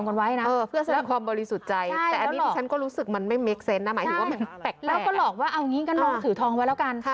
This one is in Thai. งั้นเดี๋ยวพี่ไปส่งที่รถ